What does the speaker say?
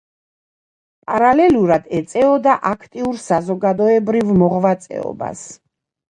პარალელურად ეწეოდა აქტიურ საზოგადოებრივ მოღვაწეობას.